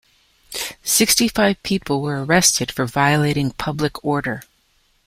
Sixty five people were arrested for violating public order.